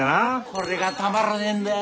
これがたまらねえんだよ。